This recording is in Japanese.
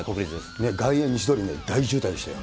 外苑西通り、大渋滞でしたよ。